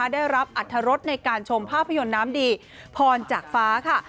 ได้รับอัตรรสในการชมภาพยนตร์น้ำดีพรจากฟ้าค่ะ